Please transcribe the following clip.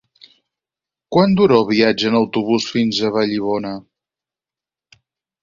Quant dura el viatge en autobús fins a Vallibona?